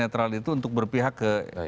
netral itu untuk berpihak ke